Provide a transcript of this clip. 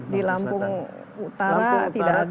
di lampung utara tidak ada